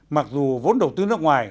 mặc dù vốn đầu tư nước ngoài